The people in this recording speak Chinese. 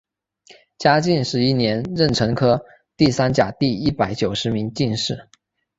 嘉靖十一年壬辰科第三甲第一百九十名进士。